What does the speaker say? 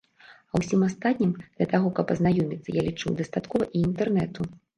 А ўсім астатнім, для таго, каб азнаёміцца, я лічу, дастаткова і інтэрнэту.